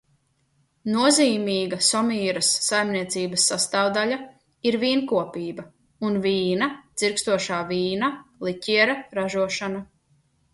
Nozīmīga Somīras saimniecības sastāvdaļa ir vīnkopība un vīna, dzirkstošā vīna, liķiera ražošana.